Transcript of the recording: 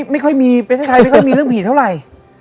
ไม่ค่อยมีประเทศไทยไม่ค่อยมีเรื่องผีเท่าไหร่